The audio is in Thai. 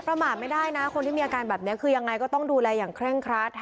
ประมาทไม่ได้นะคนที่มีอาการแบบนี้คือยังไงก็ต้องดูแลอย่างเคร่งครัด